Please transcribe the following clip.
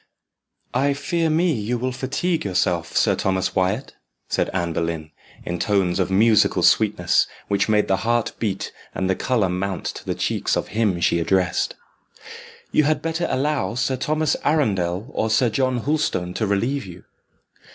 "I fear me you will fatigue yourself, Sir Thomas Wyat," said Anne Boleyn, in tones of musical sweetness, which made the heart beat and the colour mount to the cheeks of him she addressed. "You had better allow Sir Thomas Arundel or Sir John Hulstone to relieve you."